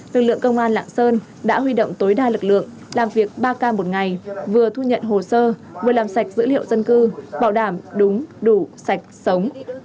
lực lượng công an lạng sơn đã huy động tối đa lực lượng làm việc ba k một ngày vừa thu nhận hồ sơ vừa làm sạch dữ liệu dân cư bảo đảm đúng đủ sạch sống